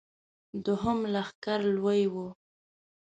دوهم لښکر لوی و.